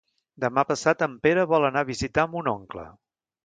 Demà passat en Pere vol anar a visitar mon oncle.